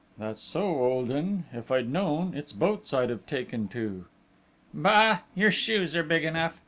"That's so, old 'un.... If I'd known, it's boats I'd have taken to!" "Bah! Your shoes are big enough.